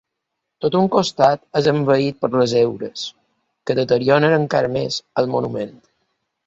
Tot un costat és envaït per les heures, que deterioren encara més el monument.